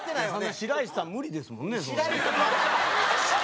白石さん無理ですもんね？